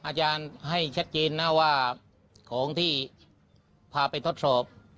อาจารย์ให้ชัดเจนนะว่าของที่พาไปทดสอบ